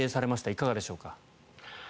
いかがでしょうか。